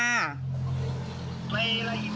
เนี่ยเงินของคุณ